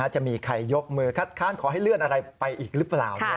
จะมีใครยกมือคัดค้านขอให้เลื่อนอะไรไปอีกหรือเปล่า